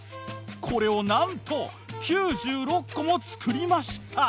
これをなんと９６個も作りました。